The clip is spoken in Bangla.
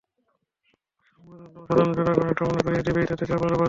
সংবাদমাধ্যম, সাধারণ জনগণ এটা মনে করিয়ে দেবেই, তাতে চাপ আরও বাড়বে।